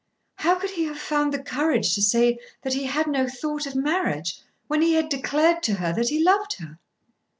How could he have found the courage to say that he had had no thought of marriage when he had declared to her that he loved her?